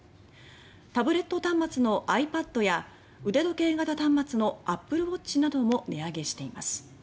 タブレット端末のｉＰａｄや腕時計型端末のＡｐｐｌｅＷａｔｃｈなども値上げしています。